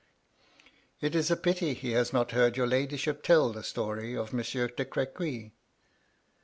" It is a pity he has not heard your ladyship tell the story of poor Monsieur de Crequy."